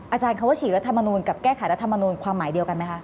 อาจารย์คำว่าฉีกรัฐมนูลกับแก้ไขรัฐมนูลความหมายเดียวกันไหมคะ